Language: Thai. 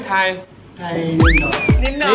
ไทยนิดหน่อย